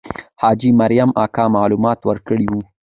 حاجي مریم اکا معلومات ورکړي وو.